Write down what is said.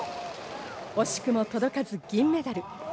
惜しくも届かず銀メダル。